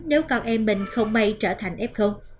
nếu con em mình không may trở thành f